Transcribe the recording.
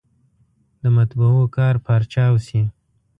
د مطبعو کار پارچاو شي.